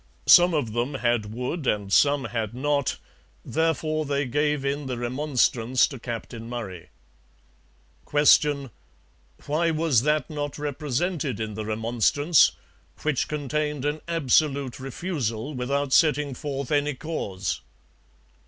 Some of them had wood and some had not, therefore they gave in the remonstrance to Captain Murray. Q. Why was that not represented in the remonstrance, which contained an absolute refusal without setting forth any cause?